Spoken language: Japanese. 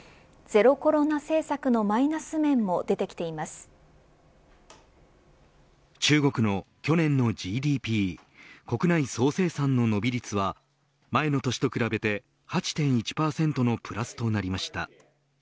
ゼロコロナ政策のマイナス面も中国の去年のＧＤＰ国内総生産の伸び率は前の年と比べて８．１％のプラスとなりました。